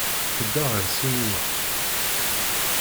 Tedda ɣer ssinima.